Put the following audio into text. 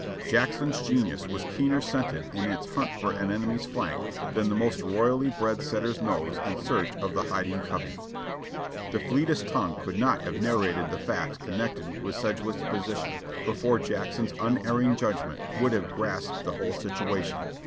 Jackson's genius was keener scented in its hunt for an enemy's flank than the most royally bred setter's nose in search of the hiding covey. The fleetest tongue could not have nar rated the facts connected with Sedgwick's position, before Jack son's unerring judgment would have grasped the whole situation.